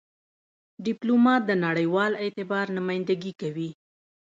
ډيپلومات د نړېوال اعتبار نمایندګي کوي.